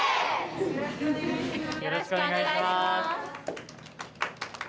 よろしくお願いします。